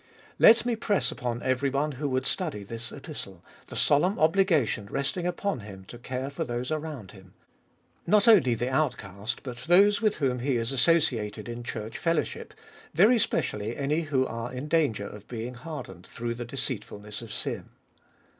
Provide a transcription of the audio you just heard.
Let me press upon everyone who would study this Epistle, the solemn obligation resting upon him to care for those around him — not only the outcast, but those with whom he is associated in church fellowship, very specially any who are in danger of being hardened through the deceitfulness of sin.